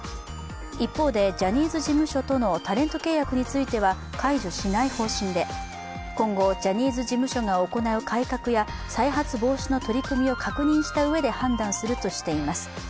一方で、ジャニーズ事務所とのタレント契約については解除しない方針で、今後、ジャニーズ事務所が行う改革や再発防止の取り組みを確認したうえで判断するとしています。